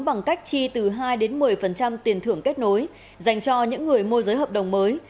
bằng cách chi từ hai đến một mươi tiền thưởng kết nối dành cho những người môi giới hợp đồng mới